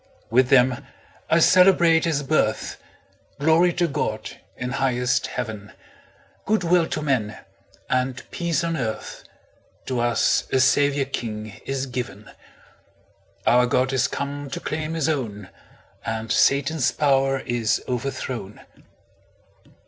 With them I celebrate His birth Glory to God, in highest Heaven, Good will to men, and peace on earth, To us a Saviour king is given; Our God is come to claim His own, And Satan's power is overthrown!